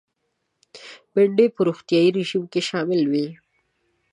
بېنډۍ په روغتیایي رژیم کې شامله وي